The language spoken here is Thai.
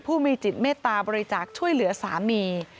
ผู้มีจิตเมตตาบริจาคช่วยเหลือสามี